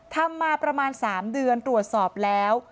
ทำมาประมาณ๓เดือนตรวจสอบแล้ว